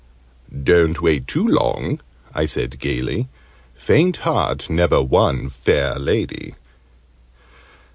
"Don't wait too long!" I said gaily. "Faint heart never won fair lady!"